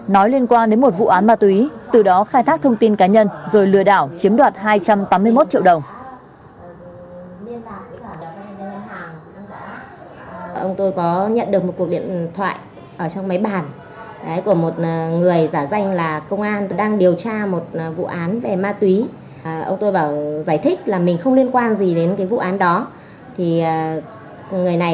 nói liên quan đến một vụ án ma túy từ đó khai thác thông tin cá nhân rồi lừa đảo chiếm đoạt hai trăm tám mươi một triệu đồng